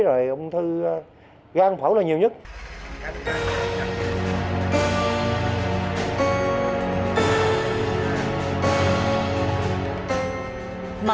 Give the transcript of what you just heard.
với những bao tải hạt nhựa này